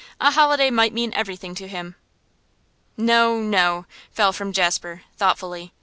A holiday might mean everything to him.' 'No, no,' fell from Jasper, thoughtfully.